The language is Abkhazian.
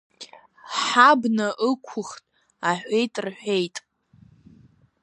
Ҳабна ықәухт, — аҳәеит рҳәеит…